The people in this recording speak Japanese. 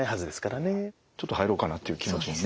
ちょっと入ろうかなっていう気持ちにね。